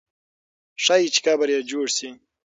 ښایي چې قبر یې جوړ سي.